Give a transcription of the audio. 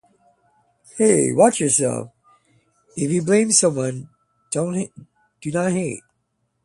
Hey, watch yourself. If you blame someone, do not hate.